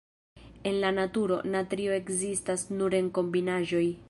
En la naturo, natrio ekzistas nur en kombinaĵoj.